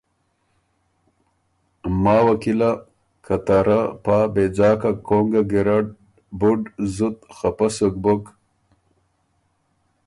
ماوه کی له، که ته رۀ پا يېځاکه کونګه ګیرډ بُډ زُت خپۀ سُک بُک،